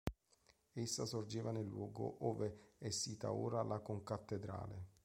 Essa sorgeva nel luogo ove è sita ora la concattedrale.